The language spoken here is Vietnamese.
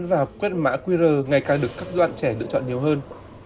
và quét mã qr ngày càng được các bạn trẻ lựa chọn nhiều hơn